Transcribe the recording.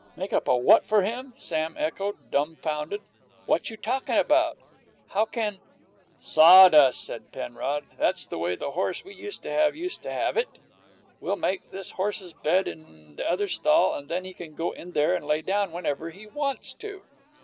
"Make up a what for him?" Sam echoed, dumfounded. "What you talkin' about? How can " "Sawdust," said Penrod. "That's the way the horse we used to have used to have it. We'll make this horse's bed in the other stall, and then he can go in there and lay down whenever he wants to."